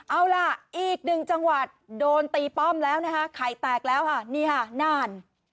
เอาล่ะอีกหนึ่งจังหวัดโดนตีป้อมแล้วนะคะไข่แตกแล้วค่ะนี่ค่ะน่าน